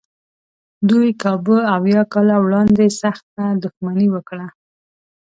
دوی کابو اویا کاله وړاندې سخته دښمني وکړه.